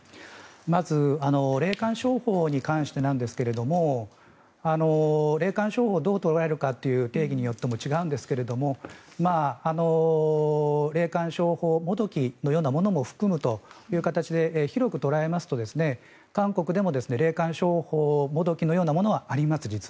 まず霊感商法に関してなんですが霊感商法をどう捉えるかという定義によっても違うんですが霊感商法もどきのようなものも含むという形で広く捉えますと韓国でも霊感商法もどきのようなものはあります。